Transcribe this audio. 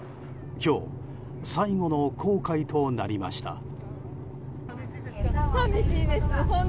今日、最後の航海となりました。